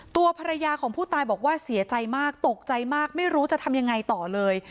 ตัวภรรยาของผู้ตายบอกว่าเสียใจมากตกใจมากไม่รู้จะทำยังไงต่อเลย